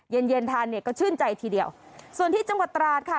เย็นเย็นทานเนี่ยก็ชื่นใจทีเดียวส่วนที่จังหวัดตราดค่ะ